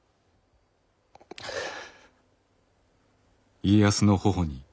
はあ。